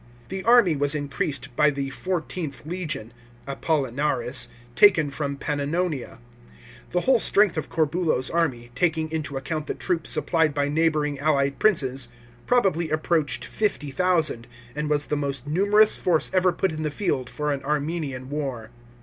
The army was increased by the XVth legion (Apollinaris) taken from Pannonia. The whole strength of Corbulo's army, taking into account the troops supplied by neigh bouring allied princes, probably approached 50,000, and was the most numerous force ever put in the field for an Armenian war.